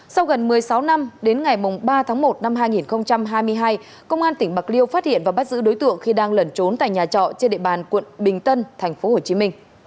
sau gần một mươi sáu năm đến ngày ba tháng một năm hai nghìn hai mươi hai công an tỉnh bạc liêu phát hiện và bắt giữ đối tượng khi đang lẩn trốn tại nhà trọ trên địa bàn quận bình tân tp hcm